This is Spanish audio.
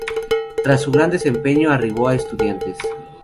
Tras su gran desempeño, arribó a Estudiantes.